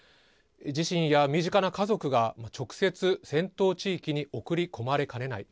自身や身近な家族が直接戦闘地域に送り込まれかねない。